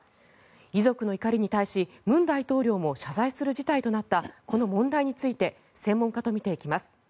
遺族の怒りに対し文大統領も謝罪する事態となったこの問題について専門家と見ていきます。